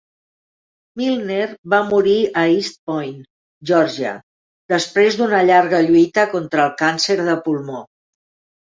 Milner va morir a East Point, Georgia, després d'una llarga lluita contra el càncer de pulmó.